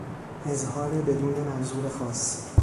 اظهار بدون منظور خاص